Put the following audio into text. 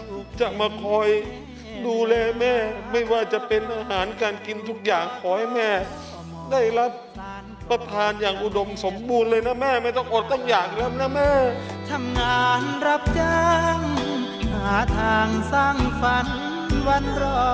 ลูกจะมาคอยดูแลแม่ไม่ว่าจะเป็นอาหารการกินทุกอย่างขอให้แม่ได้รับประพานอย่างอุดมสมบูรณ์เลยนะแม่ไม่ต้องอดตั้งอย่างอีกแล้วนะแม่